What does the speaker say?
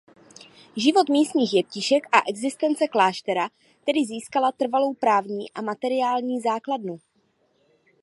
Život místních jeptišek a existence kláštera tedy získala trvalou právní a materiální základnu.